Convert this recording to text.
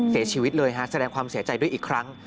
เสียชีวิตเลยฮะแสดงความเสียใจด้วยอีกครั้ง